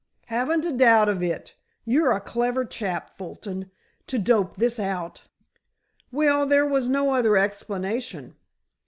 "Haven't a doubt of it. You're a clever chap, Fulton, to dope this out——" "Well, there was no other explanation.